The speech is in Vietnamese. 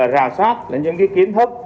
rào sát những kiến thức